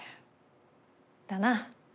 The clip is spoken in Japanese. だな。